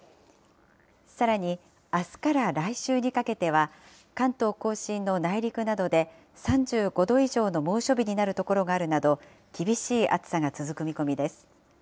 さらに、あすから来週にかけては、関東甲信の内陸などで、３５度以上の猛暑日になる所があるなど、厳しい暑さが続く見込みです。